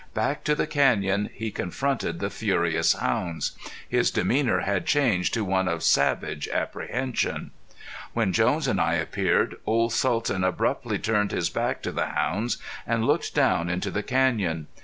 Back to the canyon, he confronted the furious hounds; his demeanor had changed to one of savage apprehension. When Jones and I appeared, old Sultan abruptly turned his back to the hounds and looked down into the canyon.